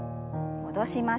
戻します。